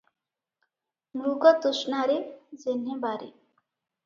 ମୃଗତୃଷ୍ଣାରେ ଯେହ୍ନେ ବାରି ।